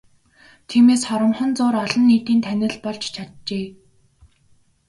Тиймээс хоромхон зуур олон нийтийн танил болж чаджээ.